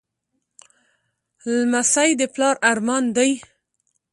لمسی د پلار ارمان دی.